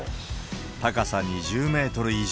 高さ２０メートル以上。